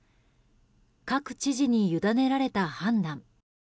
各知事に委ねられた判断。